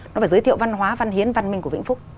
nó phải giới thiệu văn hóa văn hiến văn minh của vĩnh phúc